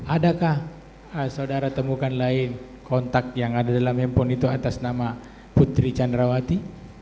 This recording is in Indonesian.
adakah saudara temukan lain kontak yang ada dalam handphone itu atas nama putri candrawati